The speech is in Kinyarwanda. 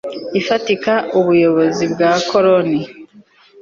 ifatika Ubuyobozi bwa Koroni